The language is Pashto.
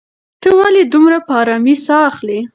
ته ولې دومره په ارامۍ ساه اخلې؟